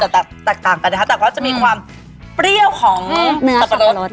ตัวจะตัดต่างกันนะครับแต่เขาจะมีความเปรี้ยวของสักปะรด